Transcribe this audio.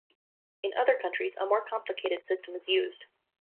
In other countries, a more complicated system is used.